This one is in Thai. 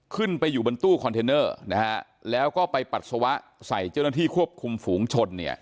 ขึ้นไปอยู่บนตู้คอนเทนเนอร์นะฮะแล้วก็ไปปัสสาวะใส่เจ้าหน้าที่ควบคุมฝูงชนเนี่ย